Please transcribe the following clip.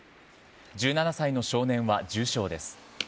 １７歳の少年は重傷です。